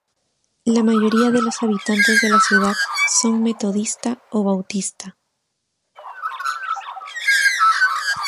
La mayoría de los habitantes de la ciudad son metodista o Bautista.